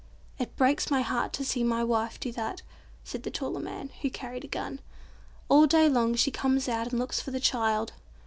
"It breaks my heart to see my wife do that," said the taller man, who carried a gun. "All day long she comes out and looks for the child.